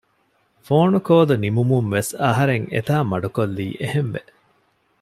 ފޯނުކޯލު ނިމުމުން ވެސް އަހަރެން އެތާ މަޑުކޮއްލީ އެހެނެްވެ